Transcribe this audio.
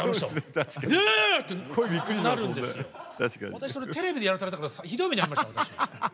私それテレビでやらされたからひどい目に遭いました。